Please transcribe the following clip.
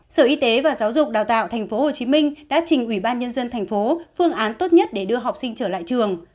sở y tế và giáo dục đào tạo tp hcm đã trình ủy ban nhân dân tp phương án tốt nhất để đưa học sinh trở lại trường